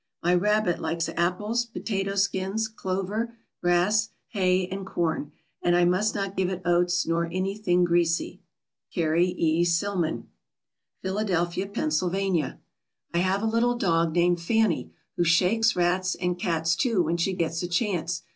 My rabbit likes apples, potato skins, clover, grass, hay, and corn, and I must not give it oats nor anything greasy. CARRIE E. SILLMAN. PHILADELPHIA, PENNSYLVANIA. I have a little dog named Fanny, who shakes rats, and cats too when she gets a chance.